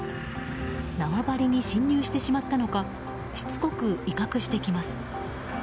縄張りに侵入してしまったのかしつこく威嚇してきます。